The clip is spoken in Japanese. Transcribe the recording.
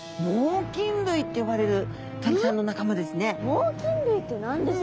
猛禽類って何ですか？